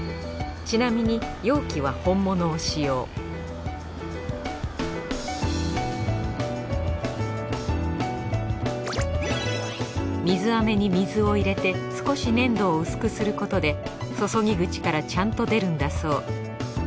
ちなみに容器は本物を使用水飴に水を入れて少し粘度を薄くすることで注ぎ口からちゃんと出るんだそう。